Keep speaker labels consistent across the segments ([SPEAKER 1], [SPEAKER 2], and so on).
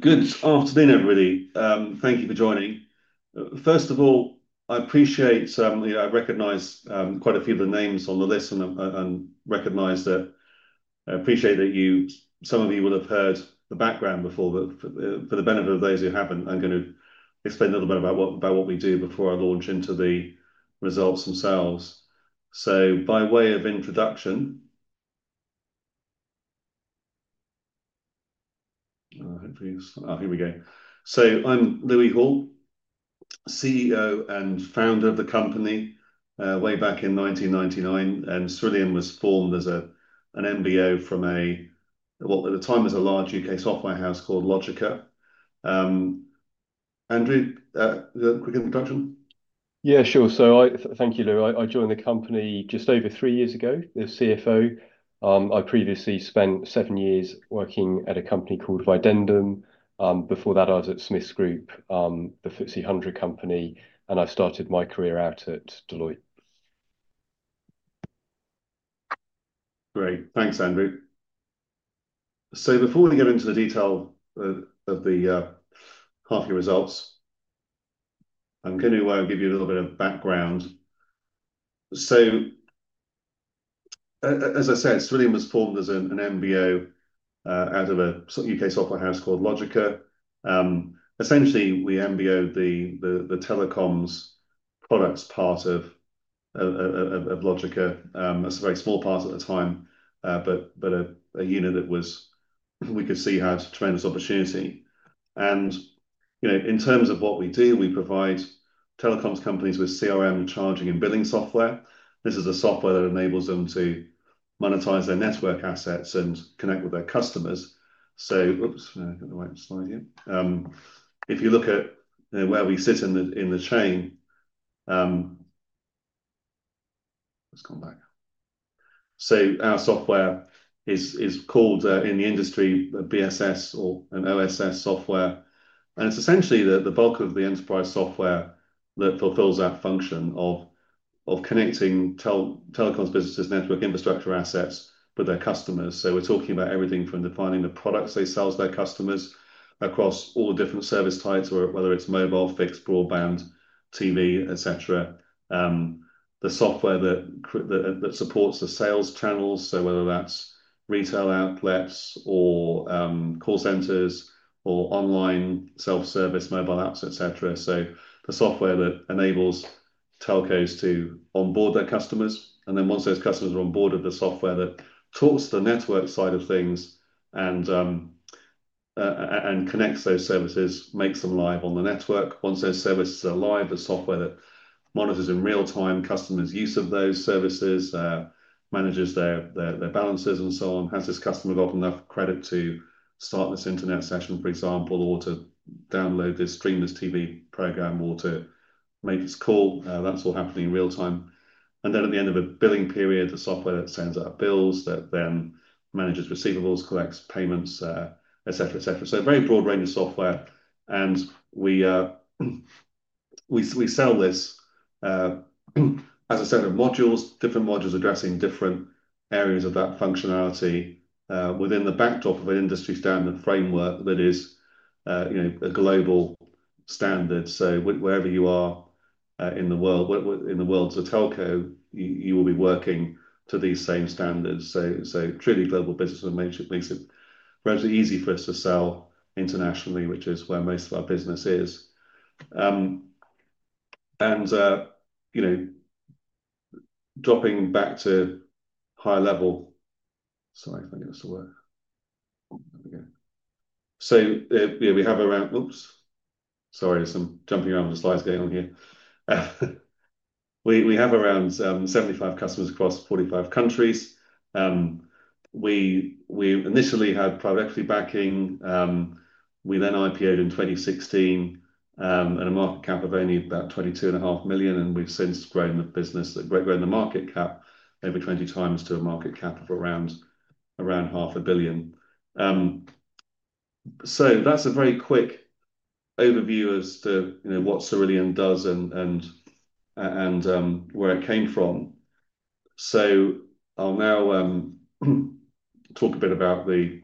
[SPEAKER 1] Good afternoon, everybody. Thank you for joining. First of all, I appreciate—I recognize quite a few of the names on the list and recognize that. I appreciate that you—some of you will have heard the background before, but for the benefit of those who have not, I'm going to explain a little bit about what we do before I launch into the results themselves. By way of introduction—oh, here we go. I'm Louis Hall, CEO and founder of the company way back in 1999, and Cerillion was formed as an MBO from a—well, at the time it was a large U.K. software house called Logica. Andrew, quick introduction?
[SPEAKER 2] Yeah, sure. Thank you, Lou. I joined the company just over three years ago as CFO. I previously spent seven years working at a company called Videndum. Before that, I was at Smith's Group, the FTSE 100 company, and I started my career out at Deloitte.
[SPEAKER 1] Great. Thanks, Andrew. Before we get into the detail of the half-year results, I'm going to give you a little bit of background. As I said, Cerillion was formed as an MBO out of a U.K. software house called Logica. Essentially, we MBO'd the telecoms products part of Logica. It was a very small part at the time, but a unit that we could see had tremendous opportunity. In terms of what we do, we provide telecoms companies with CRM, charging, and billing software. This is software that enables them to monetize their network assets and connect with their customers. Oops, I've got the right slide here. If you look at where we sit in the chain, let's come back. Our software is called in the industry BSS or an OSS software. It's essentially the bulk of the enterprise software that fulfills that function of connecting telecoms businesses' network infrastructure assets with their customers. We're talking about everything from defining the products they sell to their customers across all different service types, whether it's mobile, fixed, broadband, TV, etc. The software that supports the sales channels, whether that's retail outlets or call centers or online self-service mobile apps, etc. The software enables telcos to onboard their customers. Once those customers are onboarded, the software talks to the network side of things and connects those services, makes them live on the network. Once those services are live, the software that monitors in real-time customers' use of those services, manages their balances and so on, has this customer got enough credit to start this internet session, for example, or to download this streamless TV program or to make this call. That is all happening in real-time. At the end of a billing period, the software that sends out bills, that then manages receivables, collects payments, etc., etc. A very broad range of software. We sell this, as I said, of different modules addressing different areas of that functionality within the backdrop of an industry-standard framework that is a global standard. Wherever you are in the world, in the world as a telco, you will be working to these same standards. Truly global business makes it relatively easy for us to sell internationally, which is where most of our business is. Dropping back to higher level—sorry, if I get this to work. There we go. We have around—oops, sorry, I am jumping around with the slides going on here. We have around 75 customers across 45 countries. We initially had private equity backing. We then IPO'd in 2016 at a market cap of only about 22.5 million, and we have since grown the market cap over 20x to a market cap of around GBP 500 million. That is a very quick overview as to what Cerillion does and where it came from. I will now talk a bit about the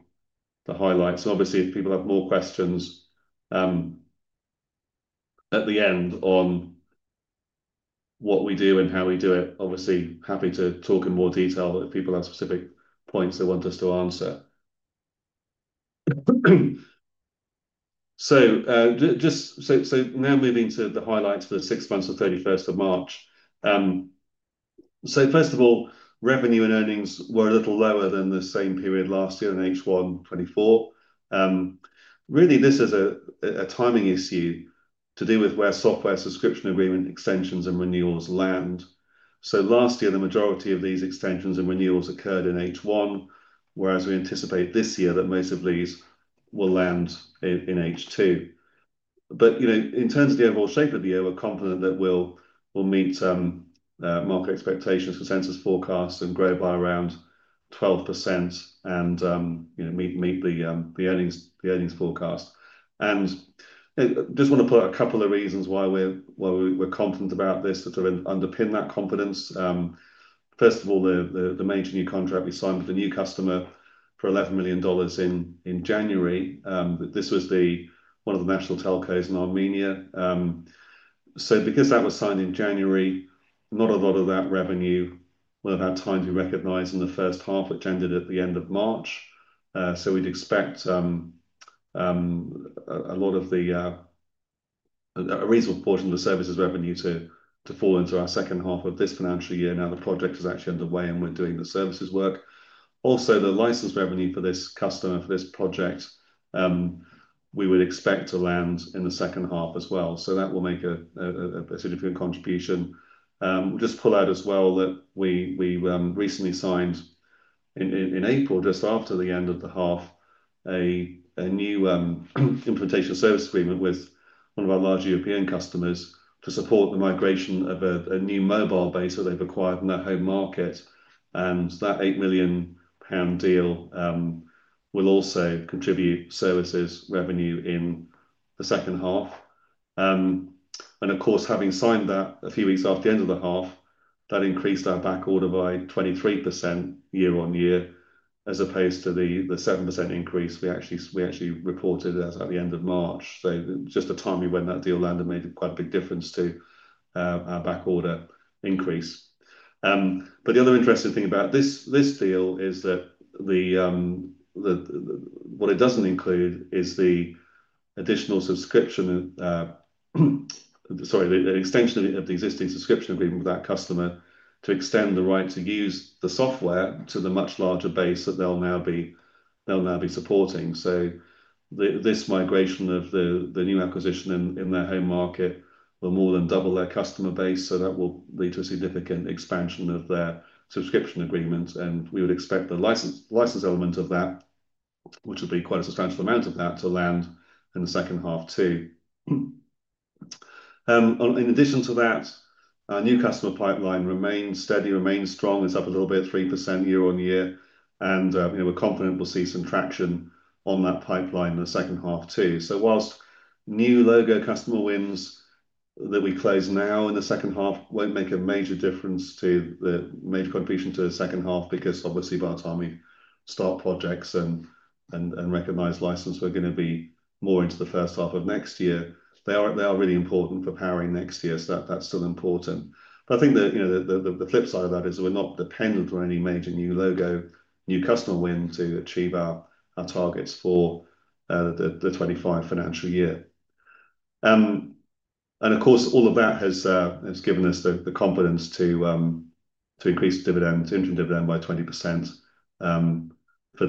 [SPEAKER 1] highlights. Obviously, if people have more questions at the end on what we do and how we do it, obviously, happy to talk in more detail if people have specific points they want us to answer. Now moving to the highlights for the six months to 31st of March. First of all, revenue and earnings were a little lower than the same period last year in H1 2024. Really, this is a timing issue to do with where software subscription agreement extensions and renewals land. Last year, the majority of these extensions and renewals occurred in H1, whereas we anticipate this year that most of these will land in H2. In terms of the overall shape of the year, we're confident that we'll meet market expectations for census forecasts and grow by around 12% and meet the earnings forecast. I just want to put a couple of reasons why we're confident about this that underpin that confidence. First of all, the major new contract we signed with a new customer for $11 million in January. This was one of the national telcos in Armenia. Because that was signed in January, not a lot of that revenue will have had time to be recognized in the first half, which ended at the end of March. We'd expect a reasonable portion of the services revenue to fall into our second half of this financial year. Now, the project is actually underway, and we're doing the services work. Also, the license revenue for this customer, for this project, we would expect to land in the second half as well. That will make a significant contribution. We'll just pull out as well that we recently signed in April, just after the end of the half, a new implementation service agreement with one of our large European customers to support the migration of a new mobile base that they've acquired in their home market. That 8 million pound deal will also contribute services revenue in the second half. Of course, having signed that a few weeks after the end of the half, that increased our back order by 23% year-on-year, as opposed to the 7% increase we actually reported at the end of March. Just the timing when that deal landed made quite a big difference to our back order increase. The other interesting thing about this deal is that what it does not include is the extension of the existing subscription agreement with that customer to extend the right to use the software to the much larger base that they will now be supporting. This migration of the new acquisition in their home market will more than double their customer base. That will lead to a significant expansion of their subscription agreement. We would expect the license element of that, which would be quite a substantial amount of that, to land in the second half too. In addition to that, our new customer pipeline remains steady, remains strong. It is up a little bit, 3% year-on-year. We are confident we will see some traction on that pipeline in the second half too. Whilst new logo customer wins that we close now in the second half will not make a major contribution to the second half because, obviously, by the time we start projects and recognize license, we are going to be more into the first half of next year. They are really important for powering next year. That is still important. I think the flip side of that is we are not dependent on any major new logo new customer win to achieve our targets for the 2025 financial year. Of course, all of that has given us the confidence to increase intrinsic dividend by 20% for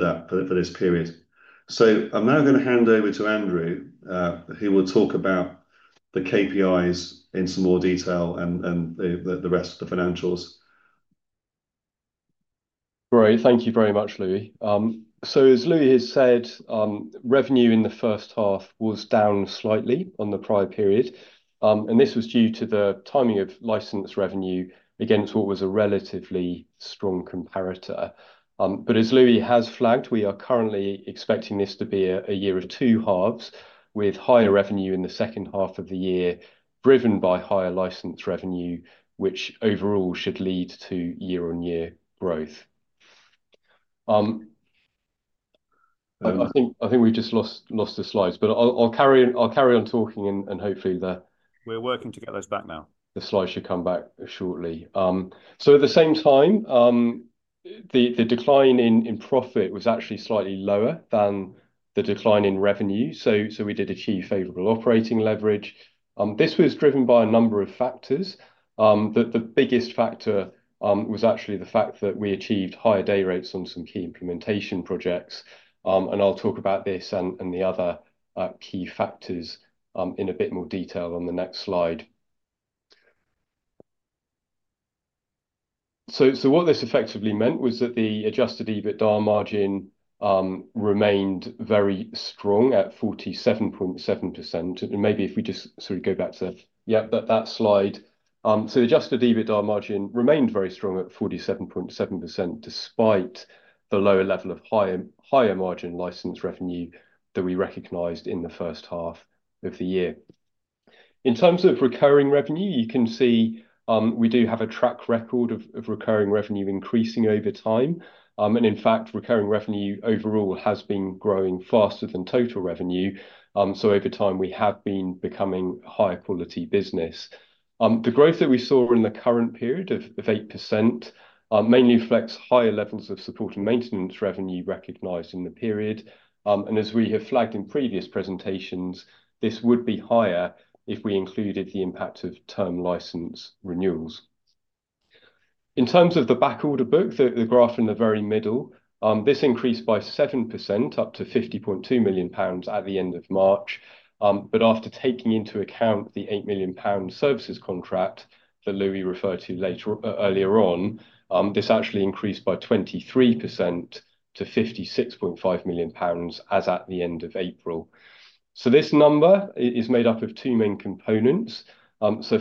[SPEAKER 1] this period. I am now going to hand over to Andrew, who will talk about the KPIs in some more detail and the rest of the financials.
[SPEAKER 2] Great. Thank you very much, Louis. As Louis has said, revenue in the first half was down slightly on the prior period. This was due to the timing of license revenue against what was a relatively strong comparator. As Louis has flagged, we are currently expecting this to be a year of two halves with higher revenue in the second half of the year, driven by higher license revenue, which overall should lead to year-on-year growth. I think we've just lost the slides, but I'll carry on talking and hopefully the. We're working to get those back now. The slides should come back shortly. At the same time, the decline in profit was actually slightly lower than the decline in revenue. We did achieve favorable operating leverage. This was driven by a number of factors. The biggest factor was actually the fact that we achieved higher day rates on some key implementation projects. I'll talk about this and the other key factors in a bit more detail on the next slide. What this effectively meant was that the adjusted EBITDA margin remained very strong at 47.7%. Maybe if we just sort of go back to that slide. The adjusted EBITDA margin remained very strong at 47.7% despite the lower level of higher margin license revenue that we recognized in the first half of the year. In terms of recurring revenue, you can see we do have a track record of recurring revenue increasing over time. In fact, recurring revenue overall has been growing faster than total revenue. Over time, we have been becoming a higher quality business. The growth that we saw in the current period of 8% mainly reflects higher levels of support and maintenance revenue recognized in the period. As we have flagged in previous presentations, this would be higher if we included the impact of term license renewals. In terms of the back order book, the graph in the very middle, this increased by 7% up to 50.2 million pounds at the end of March. After taking into account the 8 million pound services contract that Louis referred to earlier on, this actually increased by 23% to 56.5 million pounds as at the end of April. This number is made up of two main components.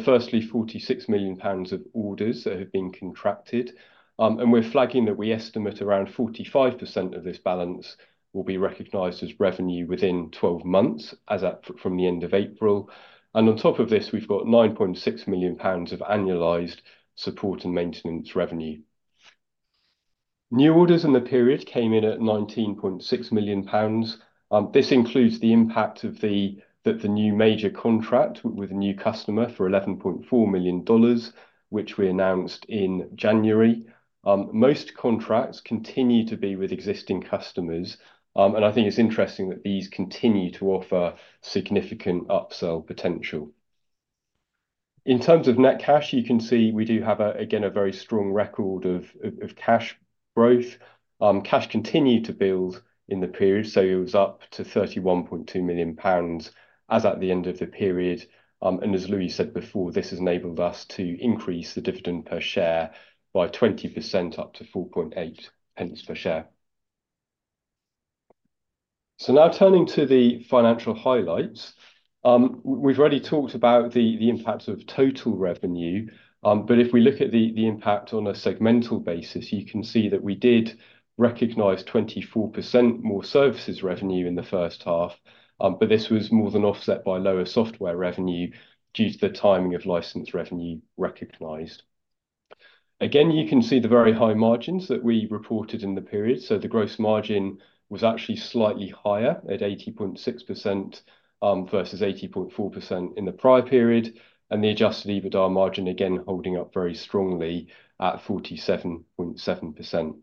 [SPEAKER 2] Firstly, 46 million pounds of orders that have been contracted. We're flagging that we estimate around 45% of this balance will be recognized as revenue within 12 months from the end of April. On top of this, we've got 9.6 million pounds of annualized support and maintenance revenue. New orders in the period came in at 19.6 million pounds. This includes the impact of the new major contract with a new customer for $11.4 million, which we announced in January. Most contracts continue to be with existing customers. I think it's interesting that these continue to offer significant upsell potential. In terms of net cash, you can see we do have, again, a very strong record of cash growth. Cash continued to build in the period. It was up to 31.2 million pounds as at the end of the period. As Louis said before, this has enabled us to increase the dividend per share by 20% up to 0.048 per share. Now turning to the financial highlights, we've already talked about the impact of total revenue. If we look at the impact on a segmental basis, you can see that we did recognize 24% more services revenue in the first half. This was more than offset by lower software revenue due to the timing of license revenue recognized. You can see the very high margins that we reported in the period. The gross margin was actually slightly higher at 80.6% versus 80.4% in the prior period. The adjusted EBITDA margin, again, holding up very strongly at 47.7%.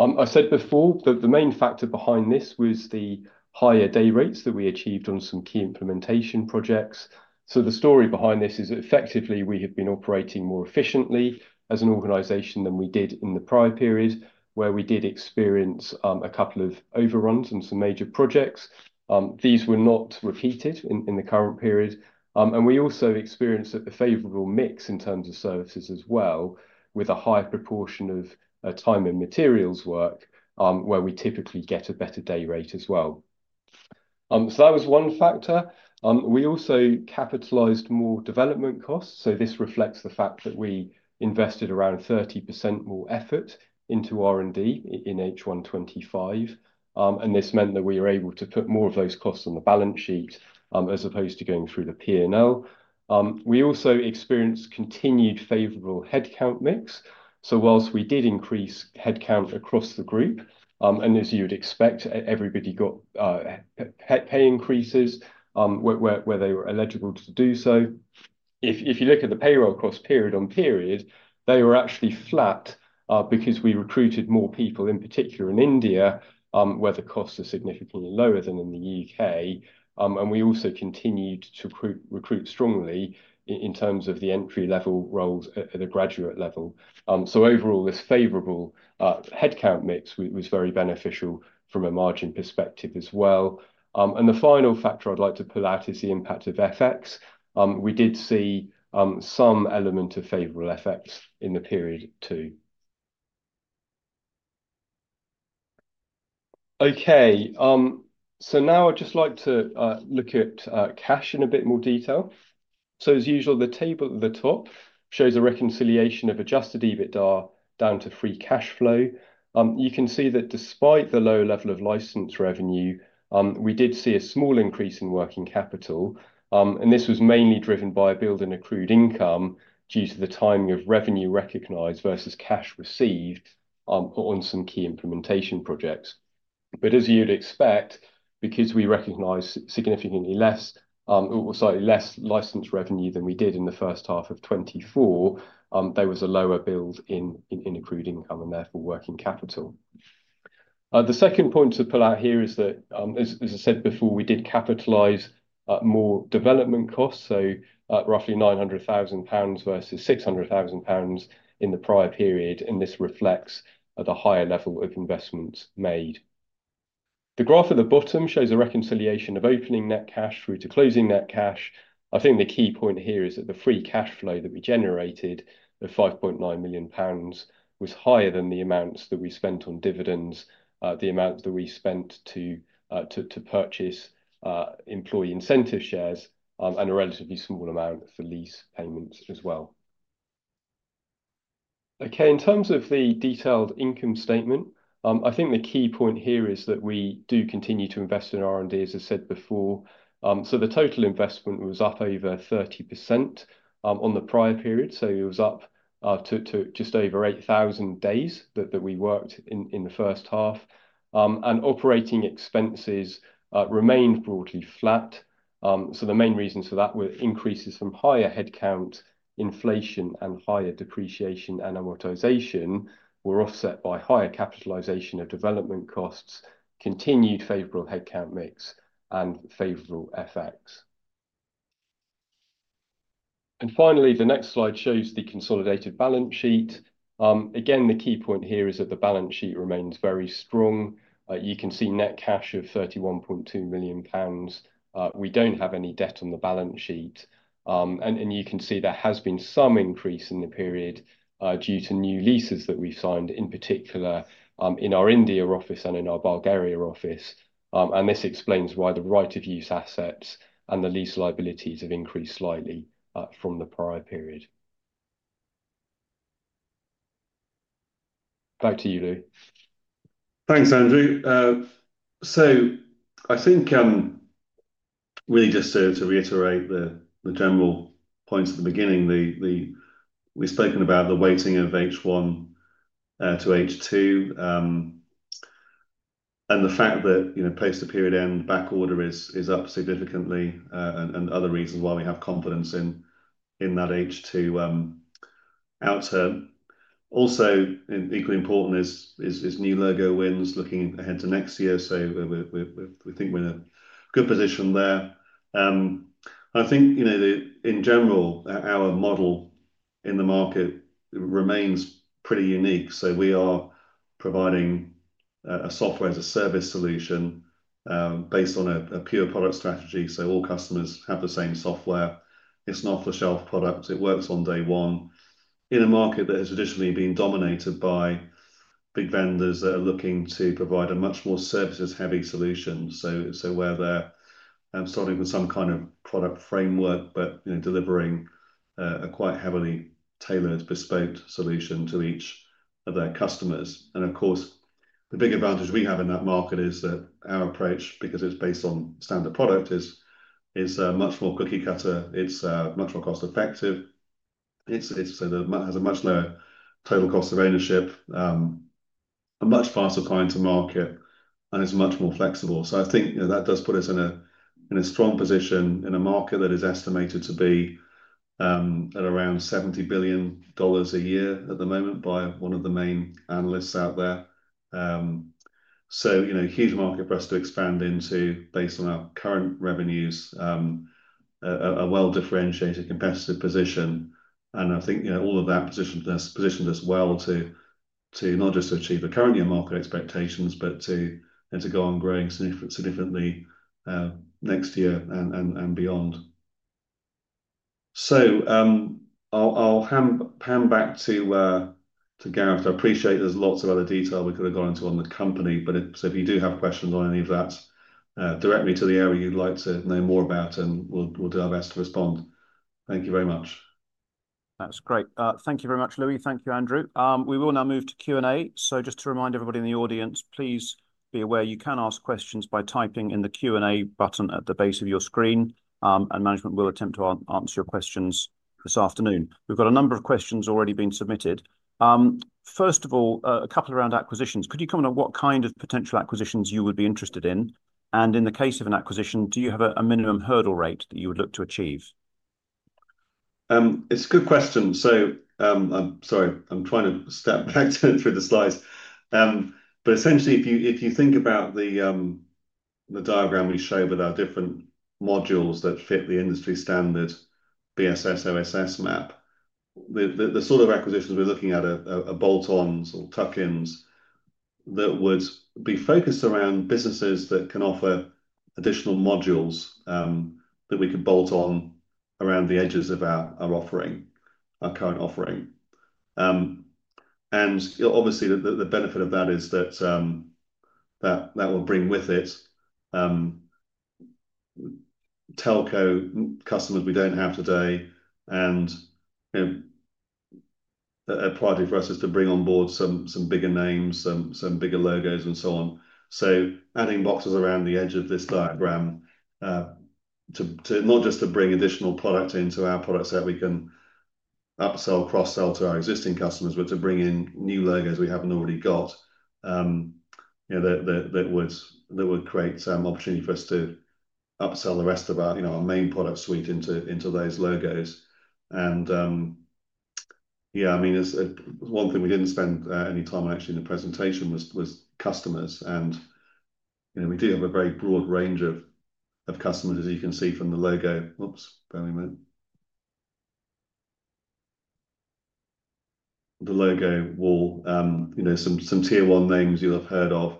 [SPEAKER 2] I said before that the main factor behind this was the higher day rates that we achieved on some key implementation projects. The story behind this is that effectively, we have been operating more efficiently as an organization than we did in the prior period, where we did experience a couple of overruns on some major projects. These were not repeated in the current period. We also experienced a favorable mix in terms of services as well, with a high proportion of time and materials work, where we typically get a better day rate as well. That was one factor. We also capitalized more development costs. This reflects the fact that we invested around 30% more effort into R&D in H1 2025. This meant that we were able to put more of those costs on the balance sheet as opposed to going through the P&L. We also experienced continued favorable headcount mix. Whilst we did increase headcount across the group, and as you would expect, everybody got pay increases where they were eligible to do so. If you look at the payroll cost period on period, they were actually flat because we recruited more people, in particular in India, where the costs are significantly lower than in the U.K. We also continued to recruit strongly in terms of the entry-level roles at the graduate level. Overall, this favorable headcount mix was very beneficial from a margin perspective as well. The final factor I'd like to pull out is the impact of FX. We did see some element of favorable effects in the period too. Now I'd just like to look at cash in a bit more detail. As usual, the table at the top shows a reconciliation of adjusted EBITDA down to free cash flow. You can see that despite the low level of license revenue, we did see a small increase in working capital. This was mainly driven by building accrued income due to the timing of revenue recognized versus cash received on some key implementation projects. As you would expect, because we recognized significantly less or slightly less license revenue than we did in the first half of 2024, there was a lower build in accrued income and therefore working capital. The second point to pull out here is that, as I said before, we did capitalize more development costs, so roughly 900,000 pounds versus 600,000 pounds in the prior period. This reflects the higher level of investments made. The graph at the bottom shows a reconciliation of opening net cash through to closing net cash. I think the key point here is that the free cash flow that we generated of 5.9 million pounds was higher than the amounts that we spent on dividends, the amounts that we spent to purchase employee incentive shares, and a relatively small amount for lease payments as well. Okay, in terms of the detailed income statement, I think the key point here is that we do continue to invest in R&D, as I said before. The total investment was up over 30% on the prior period. It was up to just over 8,000 days that we worked in the first half. Operating expenses remained broadly flat. The main reasons for that were increases from higher headcount, inflation, and higher depreciation and amortization were offset by higher capitalization of development costs, continued favorable headcount mix, and favorable FX. Finally, the next slide shows the consolidated balance sheet. Again, the key point here is that the balance sheet remains very strong. You can see net cash of 31.2 million pounds. We do not have any debt on the balance sheet. You can see there has been some increase in the period due to new leases that we have signed, in particular in our India office and in our Bulgaria office. This explains why the right-of-use assets and the lease liabilities have increased slightly from the prior period. Back to you, Louis.
[SPEAKER 1] Thanks, Andrew. I think really just to reiterate the general points at the beginning, we've spoken about the weighting of H1 to H2 and the fact that post the period end, back order is up significantly and other reasons why we have confidence in that H2 outcome. Also, equally important is new logo wins looking ahead to next year. We think we're in a good position there. I think in general, our model in the market remains pretty unique. We are providing a software as a service solution based on a pure product strategy. All customers have the same software. It's an off-the-shelf product. It works on day one in a market that has traditionally been dominated by big vendors that are looking to provide a much more services-heavy solution. Where they're starting with some kind of product framework, but delivering a quite heavily tailored, bespoke solution to each of their customers. Of course, the big advantage we have in that market is that our approach, because it's based on standard product, is much more cookie-cutter. It's much more cost-effective. It has a much lower total cost of ownership, a much faster time to market, and it's much more flexible. I think that does put us in a strong position in a market that is estimated to be at around $70 billion a year at the moment by one of the main analysts out there. Huge market for us to expand into based on our current revenues, a well-differentiated competitive position. I think all of that positioned us well to not just achieve the current year market expectations, but to go on growing significantly next year and beyond. I will pan back to Gareth. I appreciate there is lots of other detail we could have gone into on the company. If you do have questions on any of that, direct me to the area you would like to know more about, and we will do our best to respond. Thank you very much.
[SPEAKER 3] That's great. Thank you very much, Louis. Thank you, Andrew. We will now move to Q&A. Just to remind everybody in the audience, please be aware you can ask questions by typing in the Q&A button at the base of your screen, and management will attempt to answer your questions this afternoon. We've got a number of questions already being submitted. First of all, a couple around acquisitions. Could you comment on what kind of potential acquisitions you would be interested in? In the case of an acquisition, do you have a minimum hurdle rate that you would look to achieve?
[SPEAKER 1] It's a good question. I'm sorry, I'm trying to step back through the slides. Essentially, if you think about the diagram we show with our different modules that fit the industry standard BSS OSS map, the sort of acquisitions we're looking at are bolt-ons or tuck-ins that would be focused around businesses that can offer additional modules that we could bolt on around the edges of our current offering. Obviously, the benefit of that is that will bring with it telco customers we do not have today. A priority for us is to bring on board some bigger names, some bigger logos, and so on. Adding boxes around the edge of this diagram is to not just bring additional product into our products that we can upsell, cross-sell to our existing customers, but to bring in new logos we have not already got that would create some opportunity for us to upsell the rest of our main product suite into those logos. I mean, one thing we did not spend any time on actually in the presentation was customers. We do have a very broad range of customers, as you can see from the logo. Oops, bear with me. The logo wall, some tier one names you will have heard of,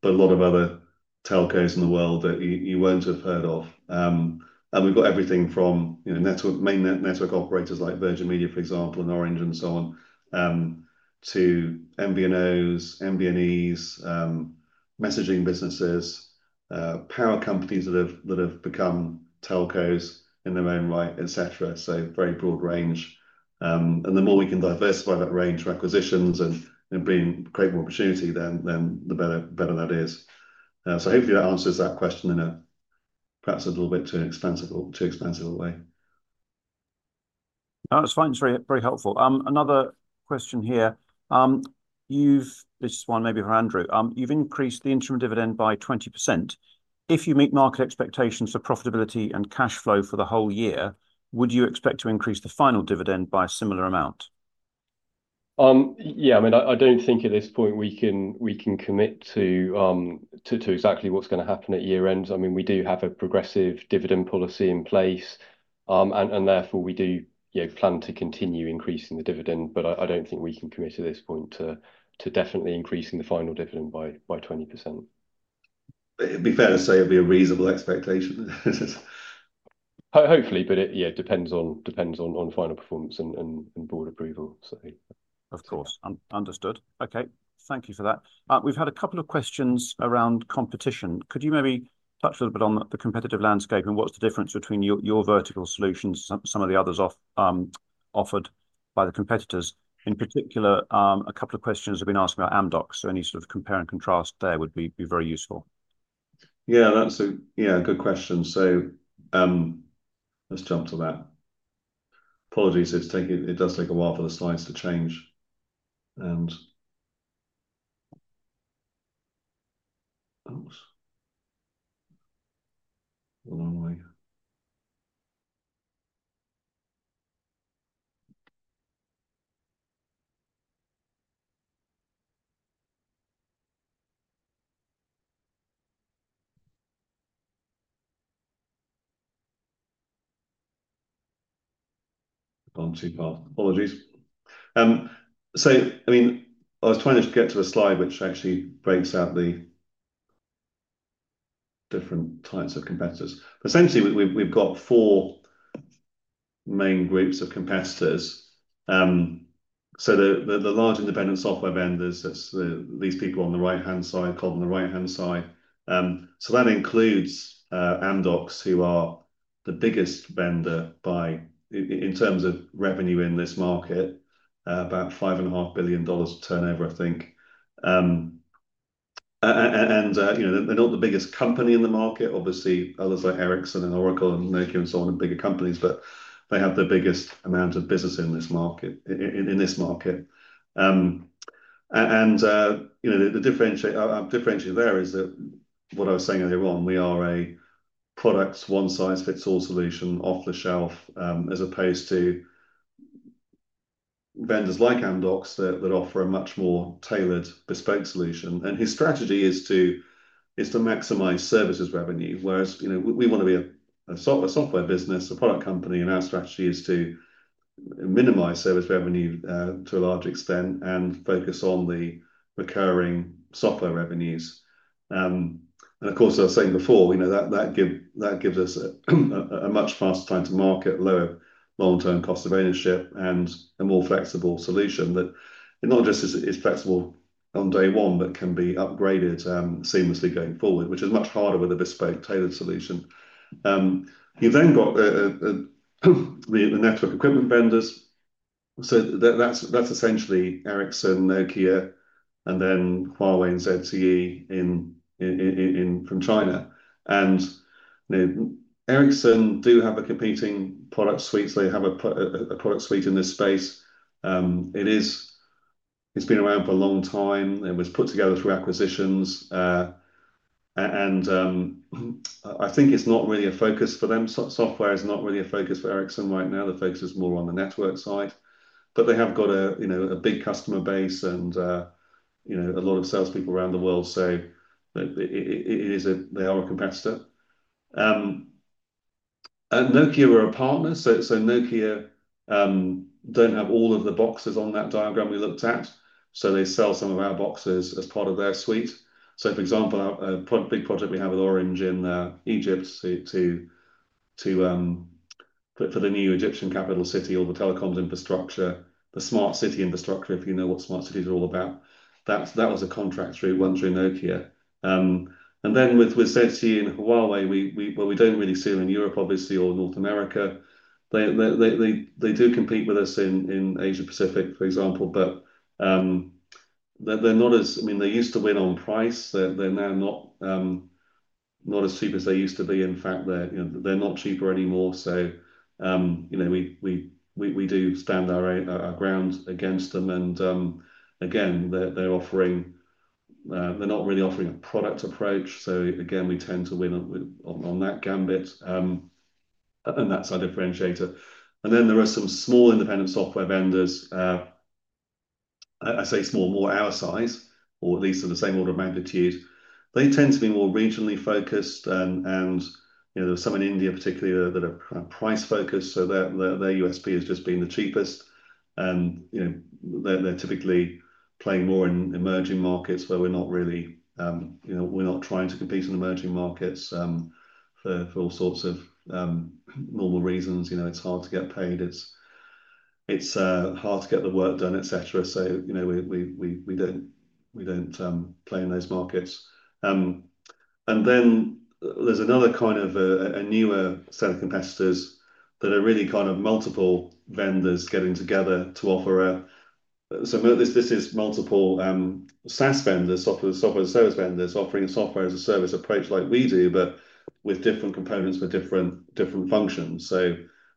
[SPEAKER 1] but a lot of other telcos in the world that you will not have heard of. We have everything from main network operators like Virgin Media, for example, and Orange, and so on, to MVNOs, MVNEs, messaging businesses, power companies that have become telcos in their own right, etc. A very broad range. The more we can diversify that range for acquisitions and create more opportunity, the better that is. Hopefully, that answers that question in a perhaps a little bit too expansive way.
[SPEAKER 3] That's fine. It's very helpful. Another question here. This one may be for Andrew. You've increased the interim dividend by 20%. If you meet market expectations for profitability and cash flow for the whole year, would you expect to increase the final dividend by a similar amount?
[SPEAKER 2] Yeah. I mean, I don't think at this point we can commit to exactly what's going to happen at year-end. I mean, we do have a progressive dividend policy in place. Therefore, we do plan to continue increasing the dividend. I don't think we can commit at this point to definitely increasing the final dividend by 20%.
[SPEAKER 1] It'd be fair to say it'd be a reasonable expectation.
[SPEAKER 2] Hopefully, but it depends on final performance and board approval.
[SPEAKER 3] Of course. Understood. Okay. Thank you for that. We've had a couple of questions around competition. Could you maybe touch a little bit on the competitive landscape and what's the difference between your vertical solutions, some of the others offered by the competitors? In particular, a couple of questions have been asked about Amdocs. Any sort of compare and contrast there would be very useful.
[SPEAKER 1] Yeah, that's a good question. Let's jump to that. Apologies, it does take a while for the slides to change. Oops. Apologies. I was trying to get to a slide which actually breaks out the different types of competitors. Essentially, we've got four main groups of competitors. The large independent software vendors, these people on the right-hand side, called on the right-hand side. That includes Amdocs, who are the biggest vendor in terms of revenue in this market, about $5.5 billion turnover, I think. They're not the biggest company in the market. Obviously, others like Ericsson and Oracle and Nokia and so on, bigger companies, but they have the biggest amount of business in this market. The differentiator there is that what I was saying earlier on, we are a product one-size-fits-all solution, off-the-shelf, as opposed to vendors like Amdocs that offer a much more tailored, bespoke solution. His strategy is to maximize services revenue, whereas we want to be a software business, a product company, and our strategy is to minimize service revenue to a large extent and focus on the recurring software revenues. Of course, as I was saying before, that gives us a much faster time to market, lower long-term cost of ownership, and a more flexible solution that not just is flexible on day one, but can be upgraded seamlessly going forward, which is much harder with a bespoke tailored solution. You have then got the network equipment vendors. That is essentially Ericsson, Nokia, and then Huawei and ZTE from China. Ericsson do have a competing product suite. They have a product suite in this space. It's been around for a long time. It was put together through acquisitions. I think it's not really a focus for them. Software is not really a focus for Ericsson right now. The focus is more on the network side. They have got a big customer base and a lot of salespeople around the world. They are a competitor. Nokia are a partner. Nokia don't have all of the boxes on that diagram we looked at. They sell some of our boxes as part of their suite. For example, a big project we have with Orange in Egypt for the new Egyptian capital city, all the telecoms infrastructure, the smart city infrastructure, if you know what smart cities are all about. That was a contract through Nokia. With ZTE and Huawei, we do not really see them in Europe, obviously, or North America. They do compete with us in Asia-Pacific, for example, but they are not as—I mean, they used to win on price. They are now not as cheap as they used to be. In fact, they are not cheaper anymore. We do stand our ground against them. Again, they are not really offering a product approach. We tend to win on that gambit. That is our differentiator. There are some small independent software vendors. I say small, more our size, or at least of the same order of magnitude. They tend to be more regionally focused. There are some in India, particularly, that are price-focused. Their USP has just been the cheapest. They're typically playing more in emerging markets where we're not really trying to compete in emerging markets for all sorts of normal reasons. It's hard to get paid. It's hard to get the work done, etc. We don't play in those markets. There's another kind of a newer set of competitors that are really kind of multiple vendors getting together to offer a, so this is multiple SaaS vendors, software as a service vendors offering a software as a service approach like we do, but with different components for different functions.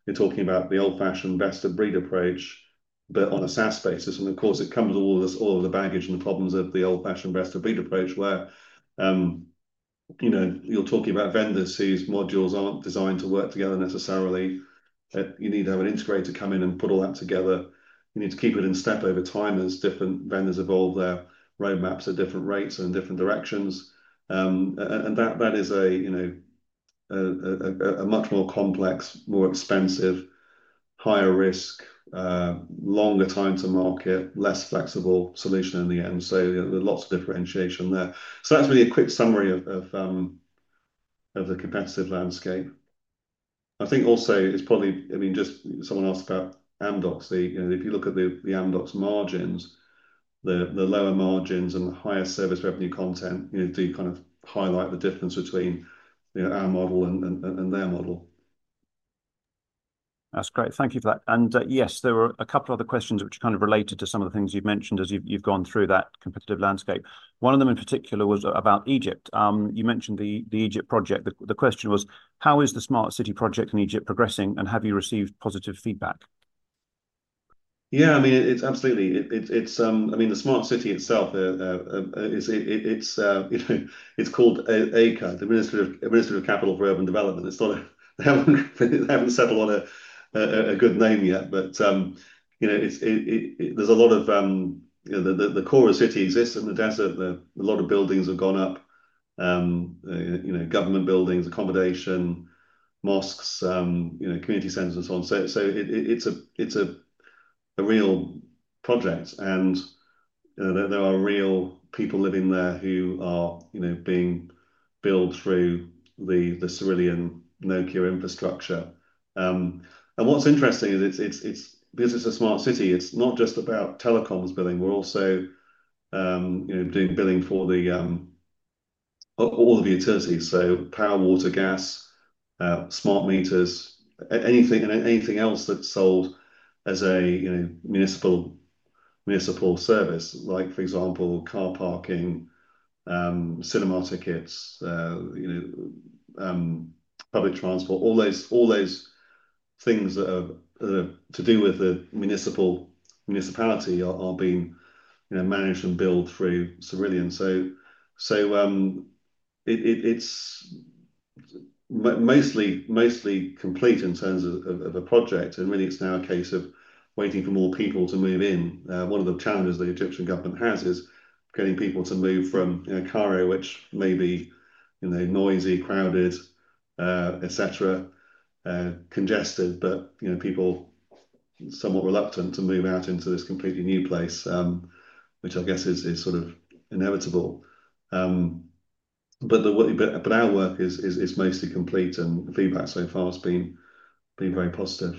[SPEAKER 1] You're talking about the old-fashioned best-of-breed approach, but on a SaaS basis. Of course, it comes with all of the baggage and the problems of the old-fashioned best-of-breed approach where you're talking about vendors whose modules aren't designed to work together necessarily. You need to have an integrator come in and put all that together. You need to keep it in step over time as different vendors evolve their roadmaps at different rates and different directions. That is a much more complex, more expensive, higher risk, longer time to market, less flexible solution in the end. There is lots of differentiation there. That is really a quick summary of the competitive landscape. I think also it is probably, I mean, just someone asked about Amdocs. If you look at the Amdocs margins, the lower margins and the higher service revenue content do kind of highlight the difference between our model and their model.
[SPEAKER 3] That's great. Thank you for that. Yes, there were a couple of other questions which kind of related to some of the things you've mentioned as you've gone through that competitive landscape. One of them in particular was about Egypt. You mentioned the Egypt project. The question was, how is the smart city project in Egypt progressing, and have you received positive feedback?
[SPEAKER 1] Yeah, I mean, absolutely. I mean, the smart city itself, it's called ACUD, the Administrative Capital for Urban Development. It's not a they haven't settled on a good name yet. There is a lot of the core of the city that exists in the desert. A lot of buildings have gone up, government buildings, accommodation, mosques, community centers, and so on. It is a real project. There are real people living there who are being billed through the Cerillion Nokia infrastructure. What's interesting is, because it's a smart city, it's not just about telecoms billing. We're also doing billing for all of the utilities. Power, water, gas, smart meters, and anything else that's sold as a municipal service, like, for example, car parking, cinema tickets, public transport, all those things that have to do with the municipality are being managed and billed through Cerillion. It's mostly complete in terms of a project. Really, it's now a case of waiting for more people to move in. One of the challenges the Egyptian government has is getting people to move from Cairo, which may be noisy, crowded, congested, but people are somewhat reluctant to move out into this completely new place, which I guess is sort of inevitable. Our work is mostly complete, and feedback so far has been very positive.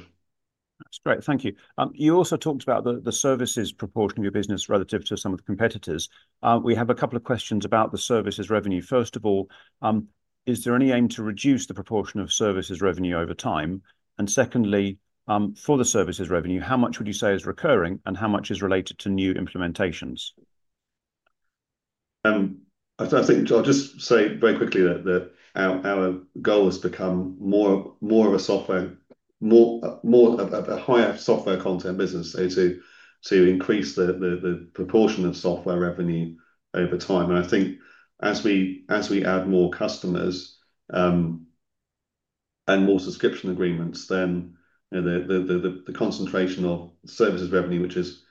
[SPEAKER 3] That's great. Thank you. You also talked about the services proportion of your business relative to some of the competitors. We have a couple of questions about the services revenue. First of all, is there any aim to reduce the proportion of services revenue over time? Secondly, for the services revenue, how much would you say is recurring, and how much is related to new implementations?
[SPEAKER 1] I think I'll just say very quickly that our goal has become more of a software, more of a higher software content business, to increase the proportion of software revenue over time. I think as we add more customers and more subscription agreements, then the concentration of services revenue, which is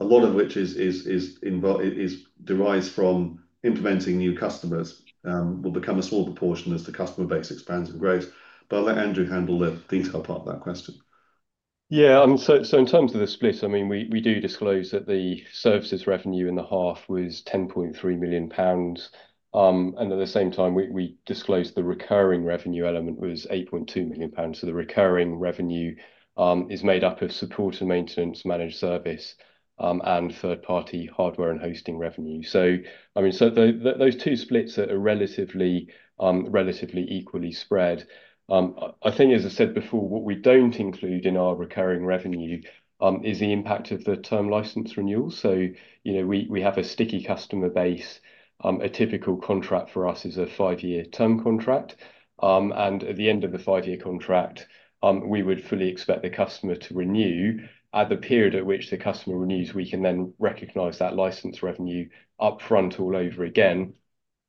[SPEAKER 1] a lot of which is derived from implementing new customers, will become a smaller proportion as the customer base expands and grows. I'll let Andrew handle the detail part of that question.
[SPEAKER 2] Yeah. In terms of the split, I mean, we do disclose that the services revenue in the half was 10.3 million pounds. At the same time, we disclose the recurring revenue element was 8.2 million pounds. The recurring revenue is made up of support and maintenance, managed service, and third-party hardware and hosting revenue. I mean, those two splits are relatively equally spread. I think, as I said before, what we do not include in our recurring revenue is the impact of the term license renewal. We have a sticky customer base. A typical contract for us is a five-year term contract. At the end of the five-year contract, we would fully expect the customer to renew. At the period at which the customer renews, we can then recognize that license revenue upfront all over again.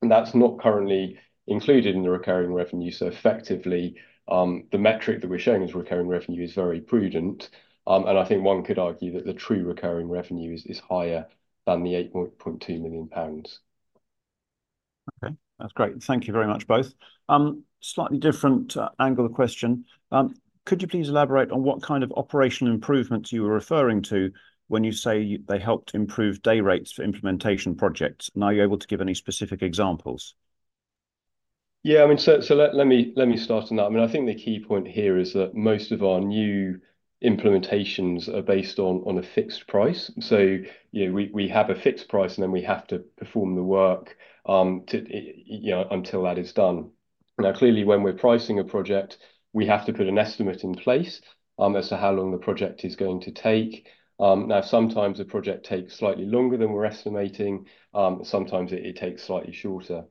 [SPEAKER 2] That is not currently included in the recurring revenue. Effectively, the metric that we're showing as recurring revenue is very prudent. I think one could argue that the true recurring revenue is higher than 8.2 million pounds.
[SPEAKER 3] Okay. That's great. Thank you very much, both. Slightly different angle of question. Could you please elaborate on what kind of operational improvements you were referring to when you say they helped improve day rates for implementation projects? Are you able to give any specific examples?
[SPEAKER 1] Yeah. I mean, let me start on that. I mean, I think the key point here is that most of our new implementations are based on a fixed price. We have a fixed price, and then we have to perform the work until that is done. Now, clearly, when we're pricing a project, we have to put an estimate in place as to how long the project is going to take. Sometimes a project takes slightly longer than we're estimating. Sometimes it takes slightly shorter.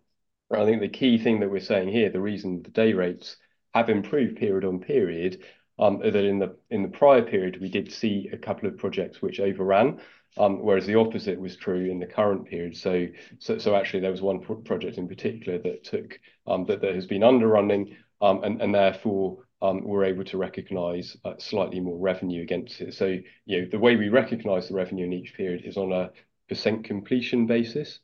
[SPEAKER 1] I think the key thing that we're saying here, the reason the day rates have improved period on period, is that in the prior period, we did see a couple of projects which overran, whereas the opposite was true in the current period. Actually, there was one project in particular that has been underrunning, and therefore, we're able to recognize slightly more revenue against it. The way we recognize the revenue in each period is on a percent completion basis.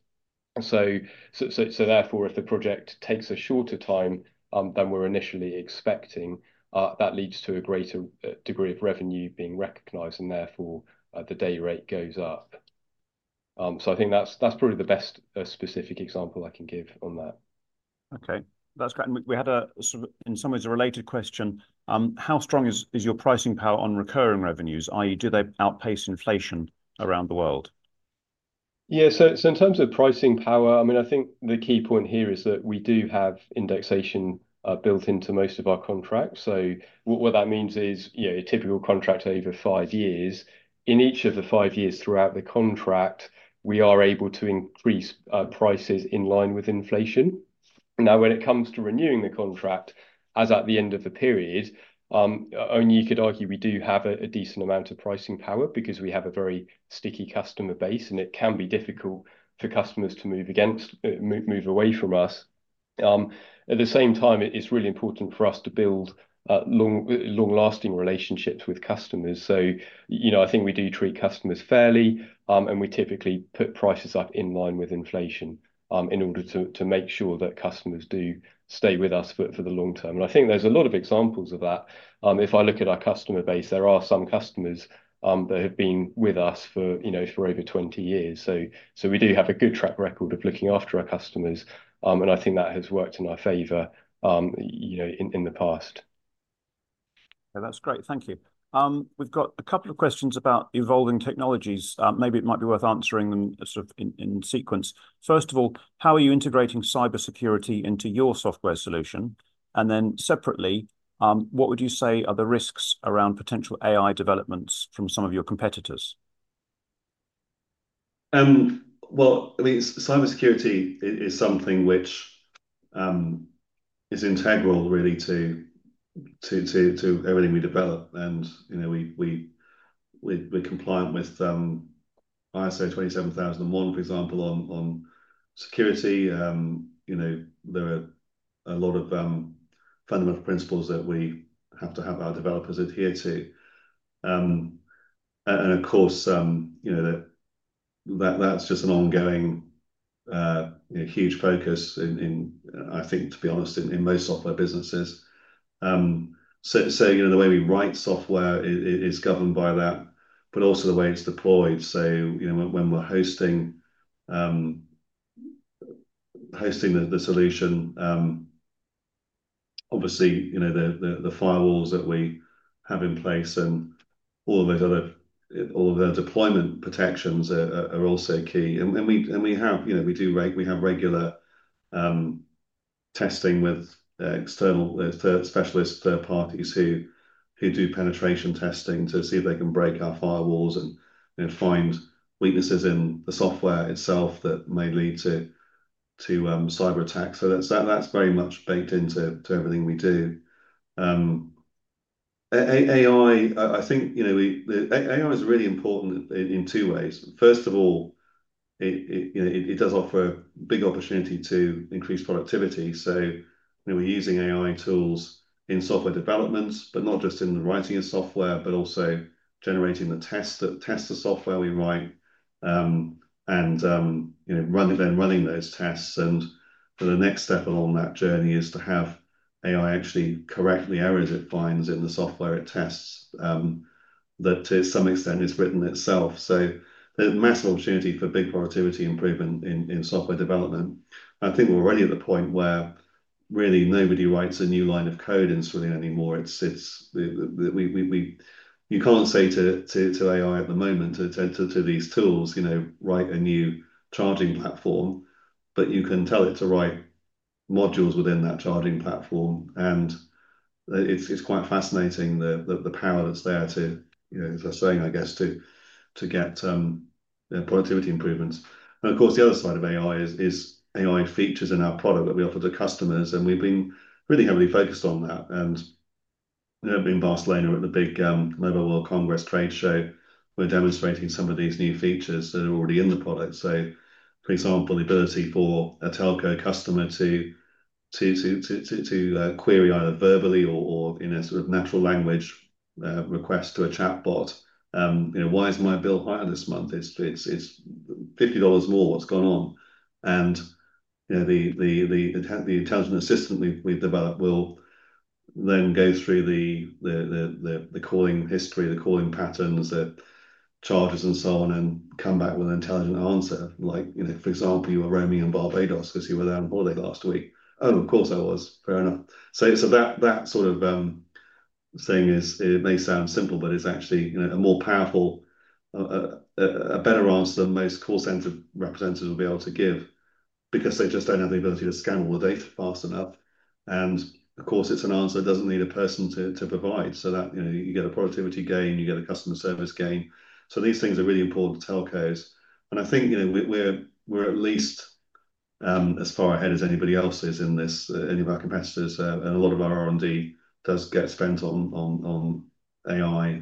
[SPEAKER 1] Therefore, if the project takes a shorter time than we're initially expecting, that leads to a greater degree of revenue being recognized, and therefore, the day rate goes up. I think that's probably the best specific example I can give on that.
[SPEAKER 3] Okay. That's great. We had, in some ways, a related question. How strong is your pricing power on recurring revenues? I.e., do they outpace inflation around the world?
[SPEAKER 1] Yeah. In terms of pricing power, I mean, I think the key point here is that we do have indexation built into most of our contracts. What that means is a typical contract over five years. In each of the five years throughout the contract, we are able to increase prices in line with inflation. Now, when it comes to renewing the contract, as at the end of the period, only you could argue we do have a decent amount of pricing power because we have a very sticky customer base, and it can be difficult for customers to move away from us. At the same time, it's really important for us to build long-lasting relationships with customers. I think we do treat customers fairly, and we typically put prices up in line with inflation in order to make sure that customers do stay with us for the long term. I think there are a lot of examples of that. If I look at our customer base, there are some customers that have been with us for over 20 years. We do have a good track record of looking after our customers. I think that has worked in our favor in the past.
[SPEAKER 3] That's great. Thank you. We've got a couple of questions about evolving technologies. Maybe it might be worth answering them sort of in sequence. First of all, how are you integrating cybersecurity into your software solution? Then separately, what would you say are the risks around potential AI developments from some of your competitors?
[SPEAKER 1] Cybersecurity is something which is integral, really, to everything we develop. We are compliant with ISO 27001, for example, on security. There are a lot of fundamental principles that we have to have our developers adhere to. Of course, that's just an ongoing huge focus, I think, to be honest, in most software businesses. The way we write software is governed by that, but also the way it's deployed. When we're hosting the solution, obviously, the firewalls that we have in place and all of the deployment protections are also key. We have regular testing with external specialist third parties who do penetration testing to see if they can break our firewalls and find weaknesses in the software itself that may lead to cyber attacks. That's very much baked into everything we do. AI, I think AI is really important in two ways. First of all, it does offer a big opportunity to increase productivity. We are using AI tools in software development, but not just in the writing of software, but also generating the tests of software we write and then running those tests. The next step along that journey is to have AI actually correct the errors it finds in the software it tests that to some extent is written itself. There is massive opportunity for big productivity improvement in software development. I think we are already at the point where really nobody writes a new line of code in Cerillion anymore. You cannot say to AI at the moment to these tools, "Write a new charging platform," but you can tell it to write modules within that charging platform. It is quite fascinating the power that is there to, as I was saying, I guess, to get productivity improvements. Of course, the other side of AI is AI features in our product that we offer to customers. We have been really heavily focused on that. In Barcelona, at the big Mobile World Congress trade show, we are demonstrating some of these new features that are already in the product. For example, the ability for a telco customer to query either verbally or in a sort of natural language request to a chatbot, "Why is my bill higher this month? It is $50 more. What is going on?" The intelligent assistant we have developed will then go through the calling history, the calling patterns, the charges, and so on, and come back with an intelligent answer. For example, you were roaming in Barbados because you were there on holiday last week. Oh, of course I was. Fair enough." That sort of thing may sound simple, but it's actually a more powerful, a better answer than most call center representatives will be able to give because they just don't have the ability to scan all the data fast enough. Of course, it's an answer that doesn't need a person to provide. You get a productivity gain. You get a customer service gain. These things are really important to telcos. I think we're at least as far ahead as anybody else is in this. Any of our competitors and a lot of our R&D does get spent on AI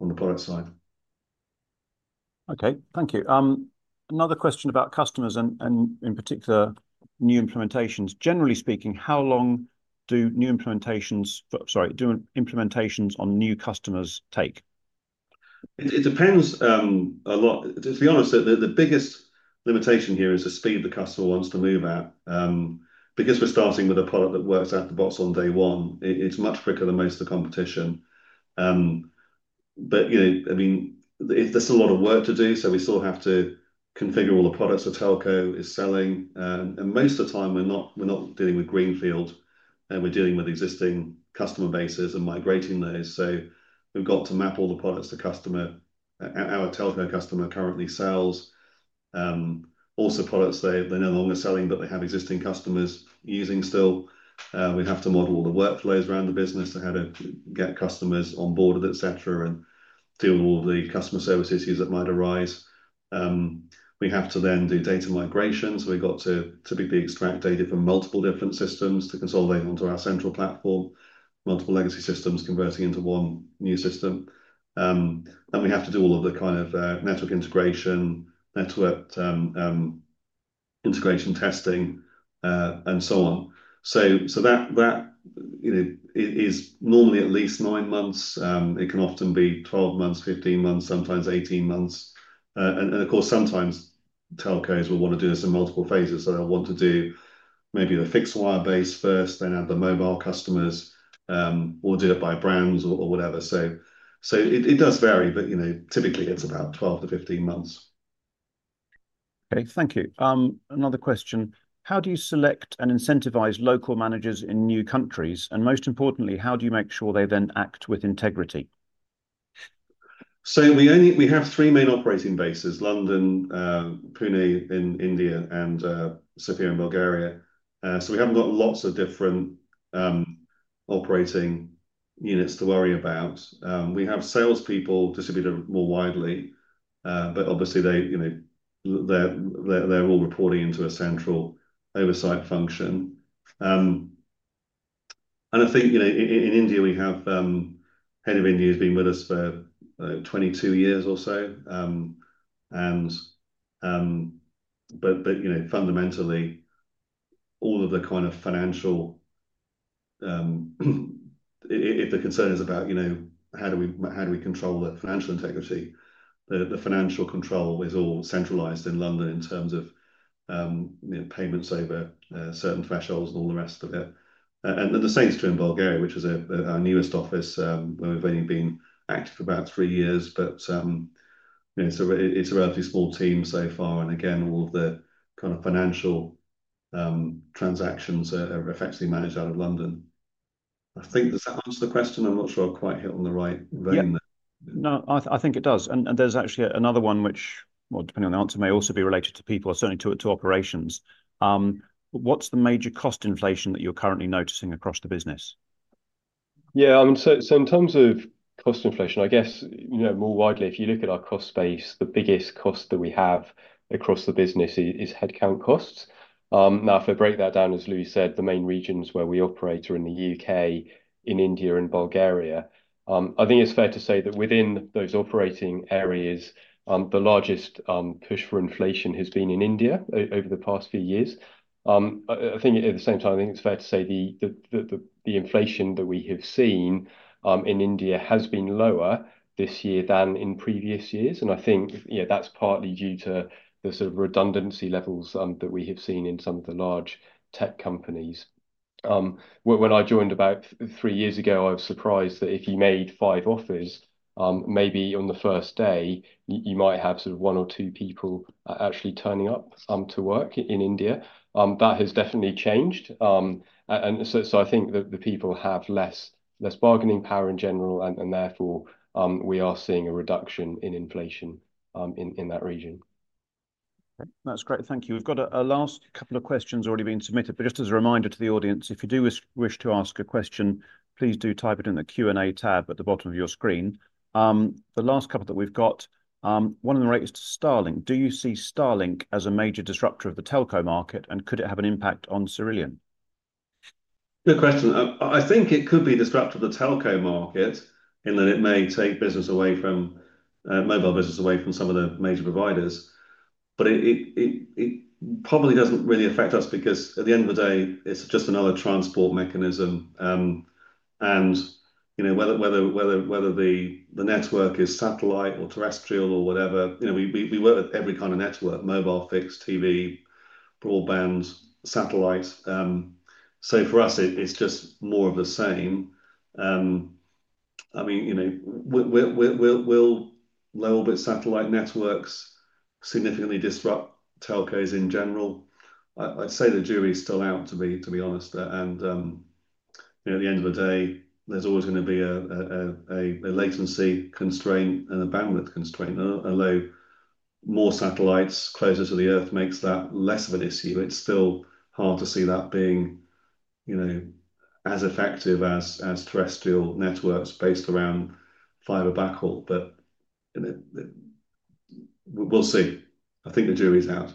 [SPEAKER 1] on the product side.
[SPEAKER 3] Okay. Thank you. Another question about customers and in particular new implementations. Generally speaking, how long do implementations on new customers take?
[SPEAKER 1] It depends a lot. To be honest, the biggest limitation here is the speed the customer wants to move at. Because we're starting with a product that works out of the box on day one, it's much quicker than most of the competition. I mean, there's a lot of work to do. We still have to configure all the products the telco is selling. Most of the time, we're not dealing with greenfield. We're dealing with existing customer bases and migrating those. We've got to map all the products the telco customer currently sells. Also, products they're no longer selling, but they have existing customers using still. We have to model all the workflows around the business to how to get customers on board, etc., and deal with all the customer service issues that might arise. We have to then do data migrations. We've got to typically extract data from multiple different systems to consolidate onto our central platform, multiple legacy systems converting into one new system. We have to do all of the kind of network integration, network integration testing, and so on. That is normally at least nine months. It can often be 12 months, 15 months, sometimes 18 months. Of course, sometimes telcos will want to do this in multiple phases. They'll want to do maybe the fixed wire base first, then add the mobile customers, or do it by brands or whatever. It does vary, but typically, it's about 12-15 months.
[SPEAKER 3] Okay. Thank you. Another question. How do you select and incentivize local managers in new countries? Most importantly, how do you make sure they then act with integrity?
[SPEAKER 1] We have three main operating bases: London, Pune in India, and Sofia in Bulgaria. We have not got lots of different operating units to worry about. We have salespeople distributed more widely, but obviously, they are all reporting into a central oversight function. I think in India, we have head of India who has been with us for 22 years or so. Fundamentally, all of the kind of financial, if the concern is about how do we control the financial integrity, the financial control is all centralized in London in terms of payments over certain thresholds and all the rest of it. The same is true in Bulgaria, which is our newest office. We have only been active for about three years, but it is a relatively small team so far. Again, all of the kind of financial transactions are effectively managed out of London. I think, does that answer the question? I'm not sure I've quite hit on the right vein there.
[SPEAKER 3] No, I think it does. There is actually another one, which, depending on the answer, may also be related to people or certainly to operations. What's the major cost inflation that you're currently noticing across the business?
[SPEAKER 2] Yeah. I mean, in terms of cost inflation, I guess more widely, if you look at our cost base, the biggest cost that we have across the business is headcount costs. Now, if I break that down, as Louis said, the main regions where we operate are in the U.K., in India, and Bulgaria. I think it's fair to say that within those operating areas, the largest push for inflation has been in India over the past few years. I think at the same time, I think it's fair to say the inflation that we have seen in India has been lower this year than in previous years. I think that's partly due to the sort of redundancy levels that we have seen in some of the large tech companies. When I joined about three years ago, I was surprised that if you made five offers, maybe on the first day, you might have sort of one or two people actually turning up to work in India. That has definitely changed. I think that the people have less bargaining power in general, and therefore, we are seeing a reduction in inflation in that region.
[SPEAKER 3] Okay. That's great. Thank you. We've got a last couple of questions already being submitted. Just as a reminder to the audience, if you do wish to ask a question, please do type it in the Q&A tab at the bottom of your screen. The last couple that we've got, one of them relates to Starlink. Do you see Starlink as a major disruptor of the telco market, and could it have an impact on Cerillion?
[SPEAKER 1] Good question. I think it could be a disruptor of the telco market in that it may take business away from mobile business, away from some of the major providers. It probably does not really affect us because at the end of the day, it is just another transport mechanism. Whether the network is satellite or terrestrial or whatever, we work with every kind of network: mobile, fixed, TV, broadband, satellites. For us, it is just more of the same. I mean, will low-Earth orbit satellite networks significantly disrupt telcos in general? I would say the jury is still out, to be honest. At the end of the day, there is always going to be a latency constraint and a bandwidth constraint. Although more satellites closer to the Earth makes that less of an issue, it is still hard to see that being as effective as terrestrial networks based around fiber backhaul. We'll see. I think the jury's out.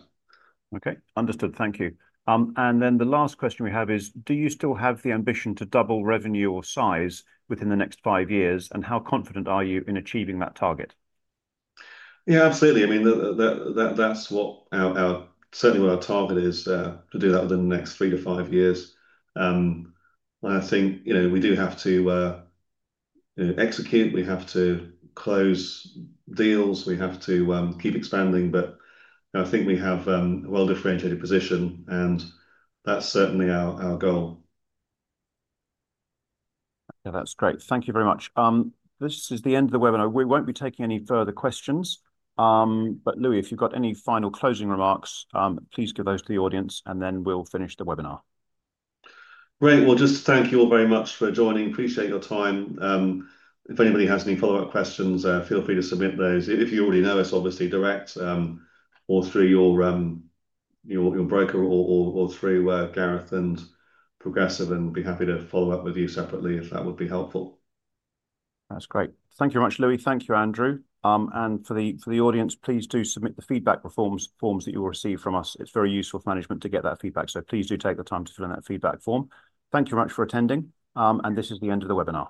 [SPEAKER 3] Okay. Understood. Thank you. The last question we have is, do you still have the ambition to double revenue or size within the next five years, and how confident are you in achieving that target?
[SPEAKER 1] Yeah, absolutely. I mean, that's certainly what our target is to do that within the next three to five years. I think we do have to execute. We have to close deals. We have to keep expanding. I think we have a well-differentiated position, and that's certainly our goal.
[SPEAKER 3] Yeah, that's great. Thank you very much. This is the end of the webinar. We won't be taking any further questions. Louis, if you've got any final closing remarks, please give those to the audience, and then we'll finish the webinar.
[SPEAKER 1] Great. Just thank you all very much for joining. Appreciate your time. If anybody has any follow-up questions, feel free to submit those. If you already know us, obviously direct or through your broker or through Gareth and Progressive, and we'll be happy to follow up with you separately if that would be helpful.
[SPEAKER 3] That's great. Thank you very much, Louis. Thank you, Andrew. For the audience, please do submit the feedback forms that you will receive from us. It's very useful for management to get that feedback. Please do take the time to fill in that feedback form. Thank you very much for attending. This is the end of the webinar.